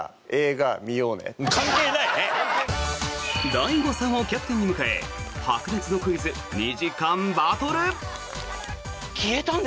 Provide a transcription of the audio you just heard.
ＤＡＩＧＯさんをキャプテンに迎え白熱のクイズ２時間バトル。